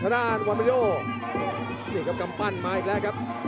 วันบริโยคเดี๋ยวกับกัมปั่นมาอีกแล้วครับ